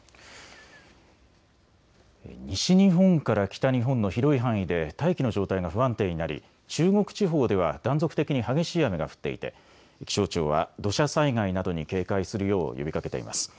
西日本から北日本の広い範囲で大気の状態が不安定になり中国地方では断続的に激しい雨が降っていて気象庁は土砂災害などに警戒するよう呼びかけています。